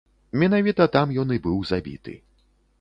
Менавіта там ён і быў забіты.